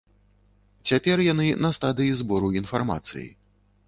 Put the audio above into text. Цяпер яны на стадыі збору інфармацыі.